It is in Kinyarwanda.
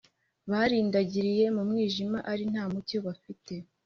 Barindagirira mu mwijima ari nta mucyo bafite .